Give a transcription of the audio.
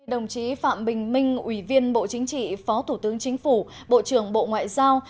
đồng chí phạm bình minh ủy viên bộ chính trị phó thủ tướng chính phủ bộ trưởng bộ ngoại giao